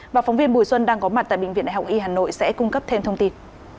và phóng viên bùi xuân đang có mặt tại bệnh viện đại học y hà nội sẽ cung cấp thêm thông tin